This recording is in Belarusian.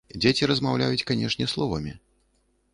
Дзеці размаўляюць, канешне, словамі.